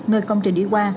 nơi công trình đi qua